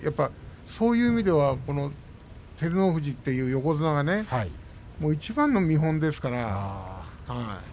そういう意味では照ノ富士という横綱はいちばんの見本ですから。